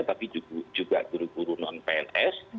tapi juga guru guru non pns